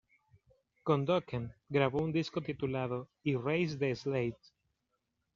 Con Dokken grabó un disco titulado "Erase The Slate".